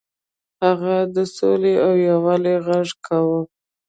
هغه د سولې او یووالي غږ کاوه.